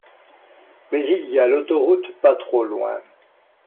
Mais il y a l’autoroute pas trop loin.